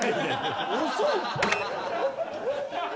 遅い。